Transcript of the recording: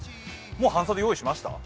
もう半袖、用意しました？